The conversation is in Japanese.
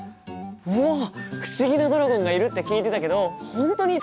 うわっ不思議なドラゴンがいるって聞いてたけど本当にいたんだ！